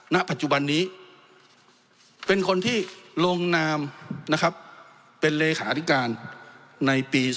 ณปัจจุบันนี้เป็นคนที่ลงนามนะครับเป็นเลขาธิการในปี๒๕๖